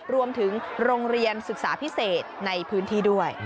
โรงเรียนศึกษาพิเศษในพื้นที่ด้วย